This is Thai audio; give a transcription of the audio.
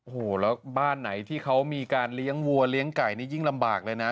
โอ้โหแล้วบ้านไหนที่เขามีการเลี้ยงวัวเลี้ยงไก่นี่ยิ่งลำบากเลยนะ